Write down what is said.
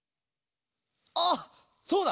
あっそうだ。